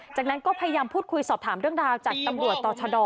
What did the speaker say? จากนั้นก็พยายามพูดคุยสอบถามเรื่องราวจากตำรวจต่อชะดอ